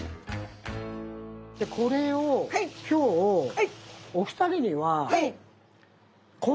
でこれを今日お二人には。今日は。